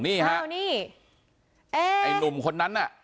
นี่ฮะไอ้ลุงคนนั้นน่ะ